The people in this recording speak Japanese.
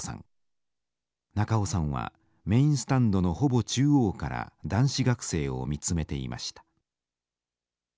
中尾さんはメインスタンドのほぼ中央から男子学生を見つめていました。